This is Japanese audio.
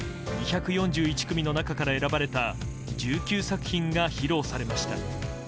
２４１組の中から選ばれた１９作品が披露されました。